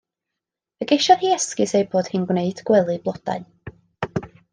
Fe geisiodd hi esgus ei bod hi'n gwneud gwely blodau.